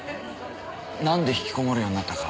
なんで引きこもるようになったか